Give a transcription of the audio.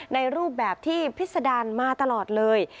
ในรูปแบบที่พิษดารมาตลอดเลย